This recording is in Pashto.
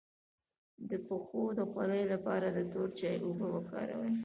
د پښو د خولې لپاره د تور چای اوبه وکاروئ